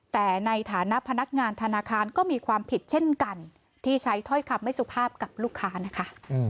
แต่ในฐานะพนักงานธนาคารก็มีความผิดเช่นกันที่ใช้ถ้อยคำไม่สุภาพกับลูกค้านะคะ